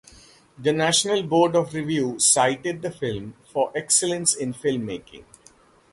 The National Board of Review cited the film for Excellence In Filmmaking.